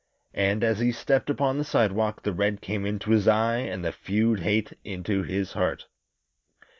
And as he stepped upon the sidewalk the red came into his eye and the feud hate into his heart.